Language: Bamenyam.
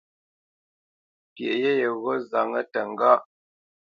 Pyeʼ yé yegho nzáŋə təŋgáʼ.